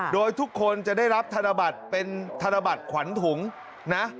โดยทุกคนจะได้รับธนบัตรเป็นธนบัตรขวัญถุงนะ